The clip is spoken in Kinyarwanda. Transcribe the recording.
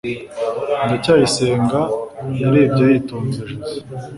ndacyayisenga yarebye yitonze joze